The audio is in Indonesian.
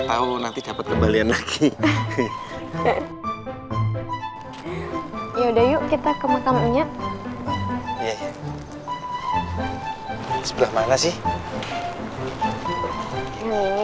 tahu nanti dapat kembalian lagi ya udah yuk kita ke makamnya sebelah mana sih ini ya